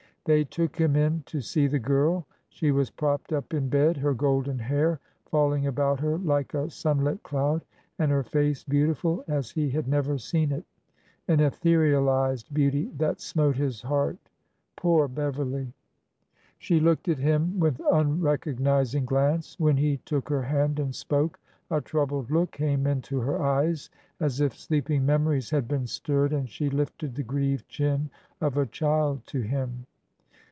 They took him in to see the girl. She was propped up in bed, her golden hair falling about her like a sunlit cloud, and her face beautiful as he had never seen it — an etherealized beauty that smote his heart. Poor Beverly! She looked at him with unrecognizing glance. When he took her hand and spoke, a troubled look came into her eyes, as if sleeping memories had been stirred, and she lifted the grieved chin of a child to him.